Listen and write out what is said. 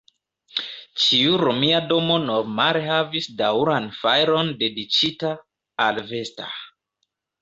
Ĉiu romia domo normale havis daŭran fajron dediĉita al Vesta.